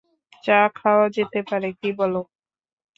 চা খাওয়া যেতে পারে, কি বল?